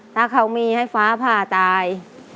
ถ้าเขามีให้ฟ้าผ่าตาย